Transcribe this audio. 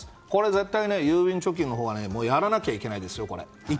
絶対、郵便貯金のほうはやらなきゃいけないですよ。